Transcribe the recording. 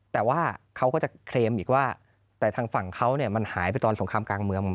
แต่ว่าเขาก็จะเคลมอีกว่าแต่ทางฝั่งเขาเนี่ยมันหายไปตอนสงครามกลางเมือง